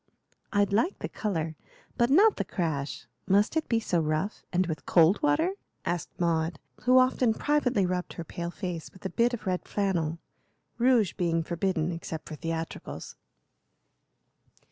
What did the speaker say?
"I'd like the color, but not the crash. Must it be so rough, and with cold water?" asked Maud, who often privately rubbed her pale face with a bit of red flannel, rouge being forbidden except for theatricals.